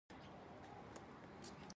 د کورنۍ غونډې د اړیکو د پیاوړتیا سبب کېږي.